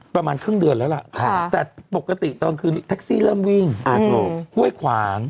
ประมาณครึ่งเดือนแล้วล่ะค่ะแต่ปกติตอนคืนเริ่มวิ่งอ่าถูกห้วยขวาง